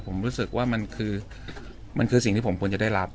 ผมรู้สึกว่ามันคือมันคือสิ่งที่ผมควรจะได้รับ